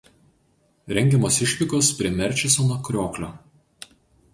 Rengiamos išvykos prie Merčisono krioklio.